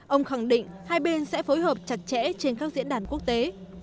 ông khẳng định hai bên sẽ phối hợp chặt chẽ trên các diễn đàn quốc tế